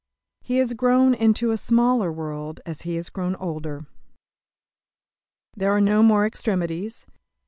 He has grown into a smaller world as he has grown older. There are no more extremities.